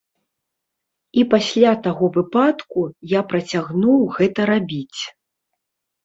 І пасля таго выпадку я працягнуў гэта рабіць.